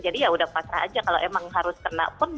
jadi yaudah pas aja kalau emang harus kena pun